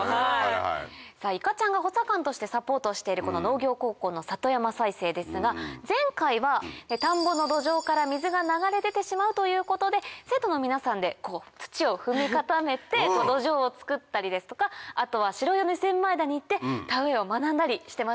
いかちゃんが補佐官としてサポートをしているこの農業高校の里山再生ですが前回は田んぼの土壌から水が流れ出てしまうということで生徒の皆さんで土を踏み固めて土壌をつくったりですとかあとは白米千枚田に行って田植えを学んだりしてましたね。